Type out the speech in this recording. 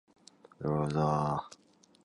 だそい ｈｓｄｇ ほ；いせるぎ ｌｈｓｇ